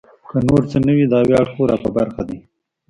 که نور څه نه وي دا ویاړ خو را په برخه دی.